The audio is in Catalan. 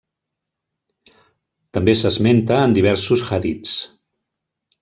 També s'esmenta en diversos hadits.